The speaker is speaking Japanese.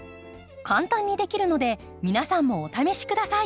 簡単にできるので皆さんもお試し下さい。